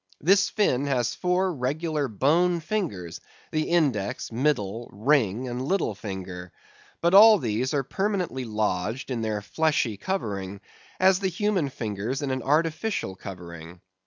This fin has four regular bone fingers, the index, middle, ring, and little finger. But all these are permanently lodged in their fleshy covering, as the human fingers in an artificial covering.